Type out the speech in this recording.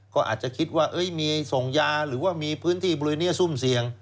ก็อาจจะคิดว่ามีส่งยาหรือว่ามีพื้นที่บริเวณนี้ซุ่มเสี่ยง